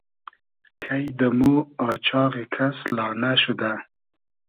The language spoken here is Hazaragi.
کݷ دۂ مۉ آچاغی کس لانۂ شودۂ